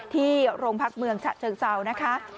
ที่โรงพักเมืองฉะเชิงเซานะคะ